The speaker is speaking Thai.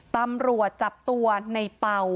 ตำรวจจับตัวในเป่า